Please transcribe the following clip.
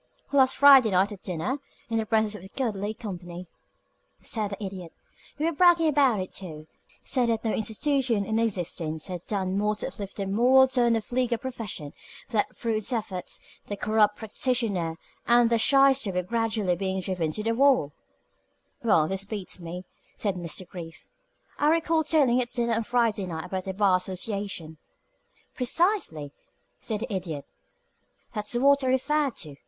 "Last Friday night at dinner, and in the presence of this goodly company," said the Idiot. "You were bragging about it, too said that no institution in existence had done more to uplift the moral tone of the legal profession; that through its efforts the corrupt practitioner and the shyster were gradually being driven to the wall " "Well, this beats me," said Mr. Brief. "I recall telling at dinner on Friday night about the Bar Association " "Precisely," said the Idiot. "That's what I referred to.